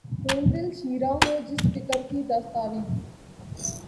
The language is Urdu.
خون دل شیراں ہو، جس فقر کی دستاویز